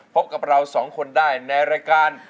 พบกับเราสองคนได้ในรายการ